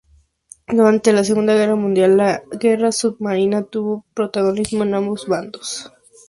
Durante la Segunda Guerra Mundial, la guerra submarina tuvo protagonismo en ambos bandos.